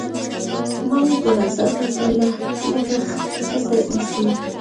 ما وګوره ځان راته لکه ښځه ايسي.